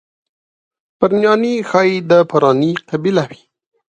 پرنیاني ښایي د پارني قبیله وي.